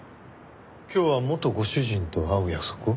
今日は元ご主人と会う約束を？